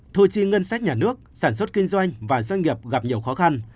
thu chi ngân sách nhà nước sản xuất kinh doanh và doanh nghiệp gặp nhiều khó khăn